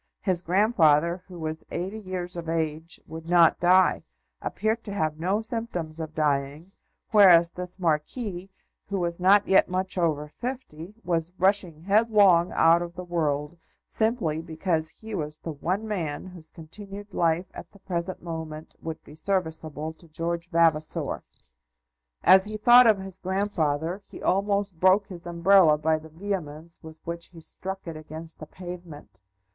His grandfather, who was eighty years of age, would not die, appeared to have no symptoms of dying; whereas this Marquis, who was not yet much over fifty, was rushing headlong out of the world, simply because he was the one man whose continued life at the present moment would be serviceable to George Vavasor. As he thought of his grandfather he almost broke his umbrella by the vehemence with which he struck it against the pavement.